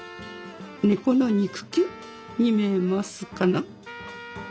猫の肉球に見えますかな？